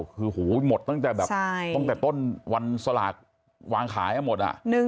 คือหมดตั้งแต่ต้นวันสลัดวางขายอ่ะหมด